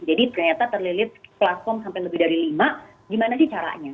jadi ternyata terlilit platform sampai lebih dari lima gimana sih caranya